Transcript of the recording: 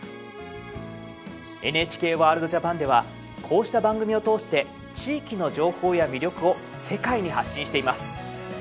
ＮＨＫワールドＪＡＰＡＮではこうした番組を通して地域の情報や魅力を世界に発信しています。